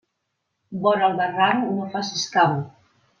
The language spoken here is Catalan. Vora el barranc no facis camp.